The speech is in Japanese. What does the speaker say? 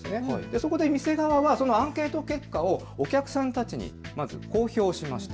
そこで店側はアンケート結果をお客さんたちにまず公表しました。